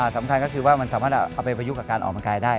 สำคัญก็คือว่ามันสามารถเอาไปประยุกต์กับการออกกำลังกายได้